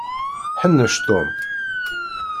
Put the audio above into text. Ḥennec Tom.